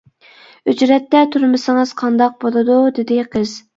-ئۆچرەتتە تۇرمىسىڭىز قانداق بولىدۇ، -دېدى قىز.